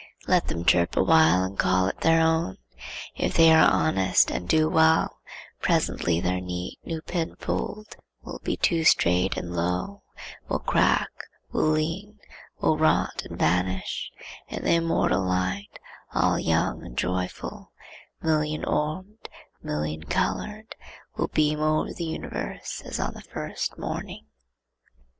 Let them chirp awhile and call it their own. If they are honest and do well, presently their neat new pinfold will be too strait and low, will crack, will lean, will rot and vanish, and the immortal light, all young and joyful, million orbed, million colored, will beam over the universe as on the first morning.